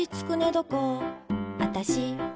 どこあたし、ね